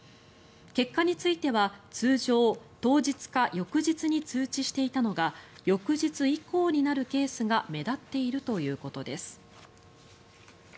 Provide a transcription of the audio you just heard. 結果については通常当日か翌日に通知していたのが翌日以降になるケースが目立っているということです。